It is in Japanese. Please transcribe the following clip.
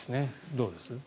どうです？